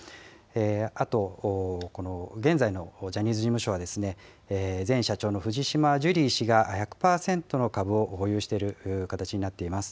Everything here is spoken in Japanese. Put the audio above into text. あと現在のジャニーズ事務所はですね、前社長の藤島ジュリー氏が１００％の株を保有している形になっています。